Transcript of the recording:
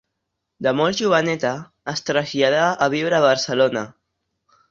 De molt joveneta es traslladà a viure a Barcelona.